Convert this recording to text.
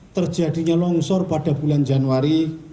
terjadinya longsor pada bulan januari